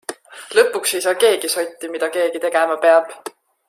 Lõpuks ei saa keegi sotti, mida keegi tegema peab.